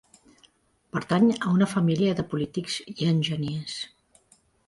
Pertany a una família de polítics i enginyers.